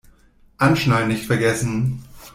Anschnallen nicht vergessen!